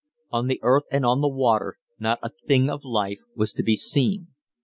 On the earth and on the water, not a thing of life was to be seen.